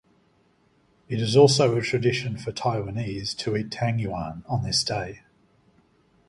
It is also a tradition for Taiwanese to eat "tangyuan" on this day.